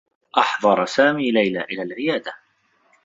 أحضر سامي ليلى إلى العيادة.